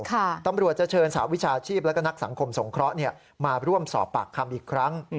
ตำรวจจะเชิญสาวิชาชีพแล้วก็นักสังคมสงเคราะห์มาร่วมสอบปากคำอีกครั้ง